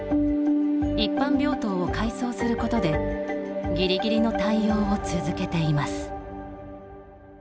一般病棟を改装することでギリギリの対応を続けています。